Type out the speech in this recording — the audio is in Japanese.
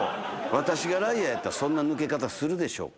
私がライアーやったらそんな抜け方するでしょうか。